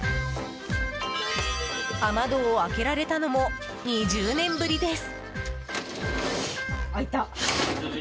雨戸を開けられたのも２０年ぶりです。